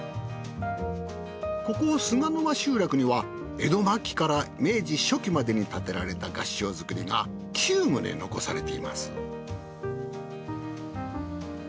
ここ菅沼集落には江戸末期から明治初期までに建てられた合掌造りが９棟残されています。